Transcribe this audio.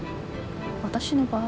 私の場合？